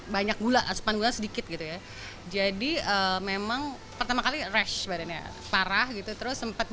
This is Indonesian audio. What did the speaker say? banyak gula aspan gua sedikit gitu ya jadi memang pertama kali resh badannya parah gitu terus sempet